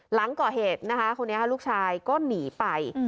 หลังก่อเหตุนะคะคนนี้ลูกชายก็หนีไป